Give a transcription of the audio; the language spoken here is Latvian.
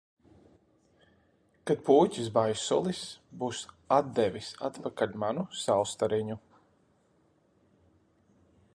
Kad Pūķis Baisulis būs atdevis atpakaļ manu Saulstariņu.